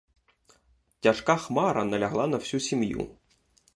Тяжка хмара налягла на всю сім'ю.